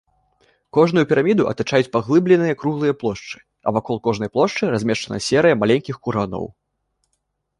Кожную піраміду атачаюць паглыбленыя круглыя плошчы, а вакол кожнай плошчы размешчана серыя маленькіх курганоў.